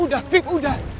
udah fit udah